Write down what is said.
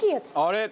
あれ？